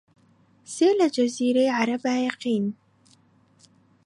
سێ لە جەزیرەی عەرەبا یەقین